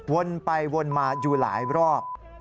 วนไปวนมาอยู่หลายรอบ